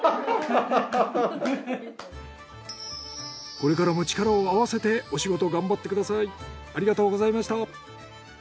これからも力を合わせてお仕事頑張ってください。